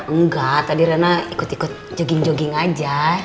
enggak tadi rana ikut ikut jogging jogging aja